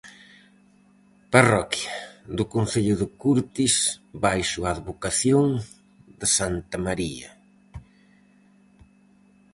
Parroquia do concello de Curtis baixo a advocación de santa María.